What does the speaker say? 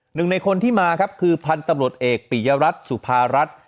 หนึ่งในคนที่มาครับคือพันธุ์ตำรวจเอกปิยรัฐสุภารัฐ